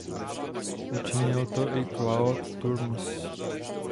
Učinil to i Claude Turmes.